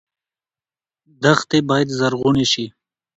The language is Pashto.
دښتې باید زرغونې شي.